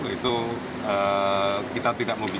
itu kita tidak memilih